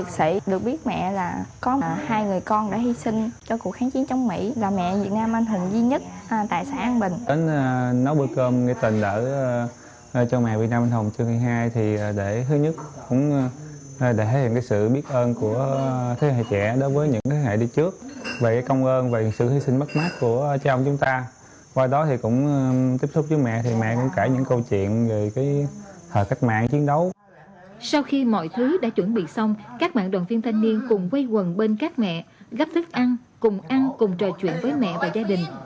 sau khi mọi thứ đã chuẩn bị xong các mạng đoàn viên thanh niên cùng quê quần bên các mẹ gắp thức ăn cùng ăn cùng trò chuyện với mẹ và gia đình